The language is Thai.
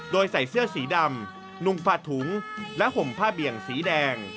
โดยใส่เสื้อสีดำนุ่งฝาถุงและห่มผ้าเบี่ยงสีแดง